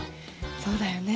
そうだよね。